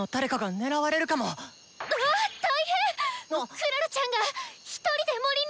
クララちゃんが１人で森に！